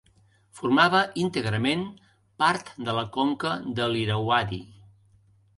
Formava íntegrament part de la conca de l'Irauadi.